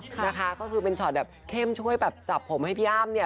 นะคะก็คือเป็นช็อตแบบเข้มช่วยแบบจับผมให้พี่อ้ำเนี่ย